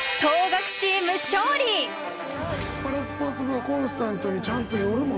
パラスポーツ部はコンスタントにちゃんと寄るもんね。